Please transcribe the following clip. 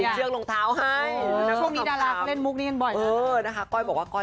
ช่วงนี้ดาราก็เล่นมุกนี้อันบ่อย